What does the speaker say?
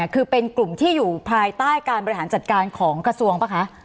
คือเป็นกลุ่มที่อยู่ภายใต้การบริหารจัดการของกระทรวงป่ะคะ